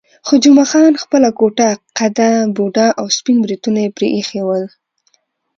خو جمعه خان خپله کوټه قده، بوډا او سپین بریتونه یې پرې ایښي ول.